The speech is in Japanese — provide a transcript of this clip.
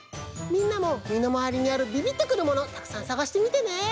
みんなもみのまわりにあるビビッとくるものたくさんさがしてみてね！